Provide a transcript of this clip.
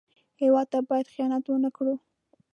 هېواد ته باید خیانت ونه کړو